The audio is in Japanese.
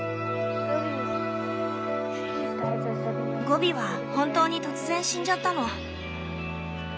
ゴビは本当に突然死んじゃったの。